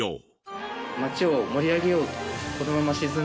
町を盛り上げようと。